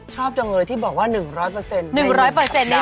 ชอบจังเลยที่บอกว่า๑๐๐ใน๑สัปดาห์